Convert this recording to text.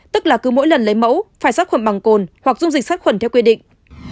tức là cứ mỗi lần lấy mẫu phải sát khuẩn bằng cồn hoặc dung dịch sát khuẩn theo quy định